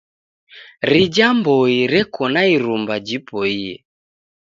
Rija mboi reko na irumba jiboie.